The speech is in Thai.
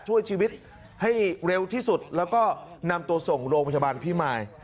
ช่วยชีวิตให้เร็วที่สุดแล้วก็นำตัวส่งโรงพยาบาลพิมาย